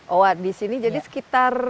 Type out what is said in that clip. oh di sini jadi sekitar